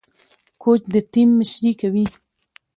کوچ د ټيم مشري کوي.